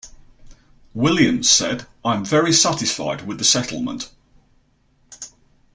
Williams said, I'm very satisfied with the settlement.